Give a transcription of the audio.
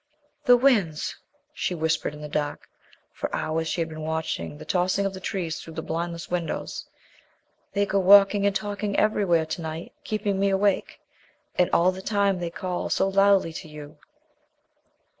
"The winds," she whispered in the dark. For hours she had been watching the tossing of the trees through the blindless windows. "They go walking and talking everywhere to night, keeping me awake. And all the time they call so loudly to you."